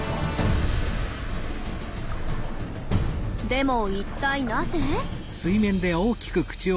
でも一体なぜ？